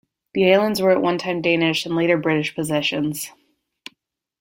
The islands were at one time Danish and later British possessions.